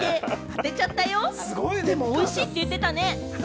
おいしいって言ってたね。